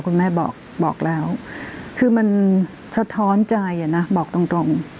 คุณแม่บอกแล้วคือมันสะท้อนใจนะบอกตรง